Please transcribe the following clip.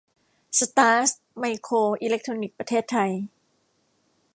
สตาร์ส ไมโครอิเล็กทรอนิกส์ ประเทศไทย